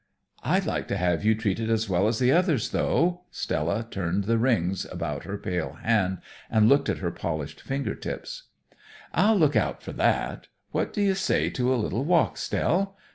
"I'd like to have you treated as well as the others, though." Stella turned the rings about on her pale hand and looked at her polished finger tips. "I'll look out for that. What do you say to a little walk, Stell'?"